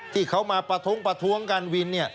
ที่เขามาประท้งประท้วงการวิน